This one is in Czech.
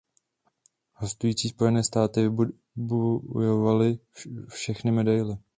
Hostující Spojené státy vybojovaly všechny medaile.